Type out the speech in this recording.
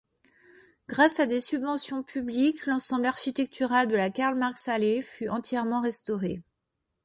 Grâce à des subventions publiques, l’ensemble architectural de la Karl-Marx-Allee fut entièrement restauré.